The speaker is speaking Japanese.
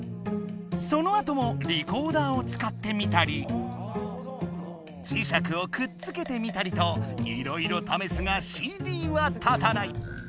そのあともリコーダーを使ってみたり磁石をくっつけてみたりといろいろためすがＣＤは立たない。